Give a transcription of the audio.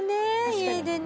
家でね。